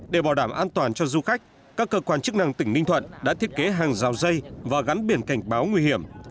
để bảo đảm an toàn cho du khách các cơ quan chức năng tỉnh ninh thuận đã thiết kế hàng rào dây và gắn biển cảnh báo nguy hiểm